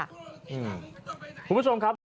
คุณผู้ชมครับ